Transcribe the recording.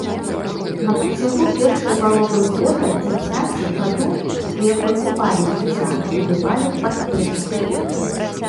На працягу першай паловы года дзіцяці, ваду, у якой купалі дзіця, вылівалі ў падпечак.